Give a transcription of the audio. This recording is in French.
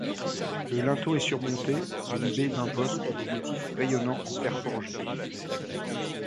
Le linteau est surmonté d'une baie d'imposte au motif rayonnant en fer forgé.